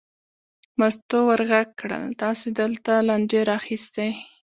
مستو ور غږ کړل: تاسې دلته لانجې را اخیستې.